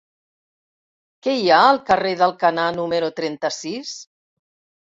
Què hi ha al carrer d'Alcanar número trenta-sis?